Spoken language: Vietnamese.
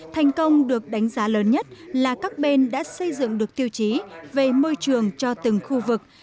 thành công được đánh giá lớn nhất là các bên đã xây dựng được tiêu chí về môi trường cho từng khu vực